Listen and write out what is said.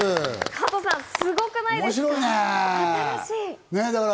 加藤さん、すごくないですか？